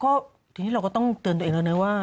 ก็ทีนี้เราก็ต้องเตือนตัวเองแล้วนะว่า